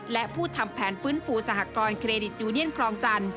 และผู้ทำแผนฟื้นฟูสหกรณเครดิตยูเนียนคลองจันทร์